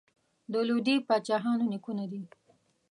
د لودي پاچاهانو نیکونه دي.